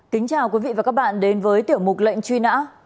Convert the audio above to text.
kính chào quý vị và các bạn đến với tiểu mục lệnh truy nã